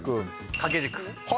掛け軸。